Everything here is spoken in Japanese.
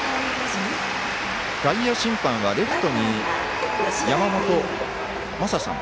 外野審判は、レフトに山本昌さん。